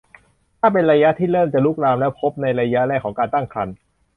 ถ้าเป็นระยะที่เริ่มจะลุกลามแล้วและพบในระยะแรกของการตั้งครรภ์